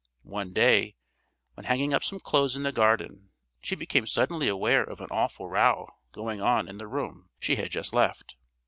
One day, when hanging up some clothes in the garden, she became suddenly aware of an awful row going on in the room she had just left.